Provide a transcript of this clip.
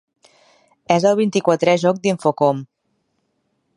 És el vint-i-quatrè joc d'Infocom.